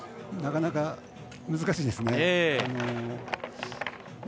なかなか難しいですね。